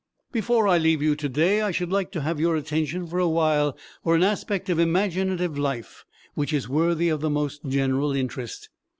Before I leave you today I should like to have your attention for a while for an aspect of imaginative life which is worthy of the most general interest.